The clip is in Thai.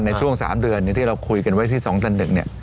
ในช่วง๓เดือนที่เราคุยกันไว้ที่๒ตันดึก